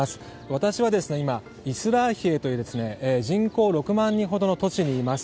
私は今、イスラーヒエという人口６万人ほどの都市にいます。